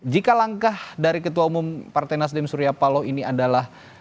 jika langkah dari ketua umum partai nasdem surya paloh ini adalah